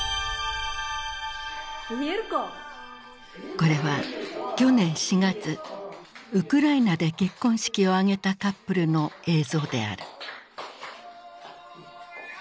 これは去年４月ウクライナで結婚式を挙げたカップルの映像である。